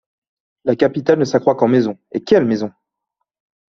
La capitale ne s’accroît qu’en maisons, et quelles maisons!